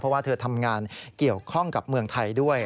เพราะว่าเธอทำงานเกี่ยวข้องกับเมืองไทยด้วย